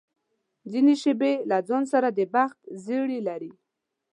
ځینې شېبې له ځان سره د بخت زړي لري.